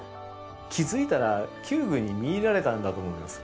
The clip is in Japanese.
気付いたら弓具に魅入られたんだと思います。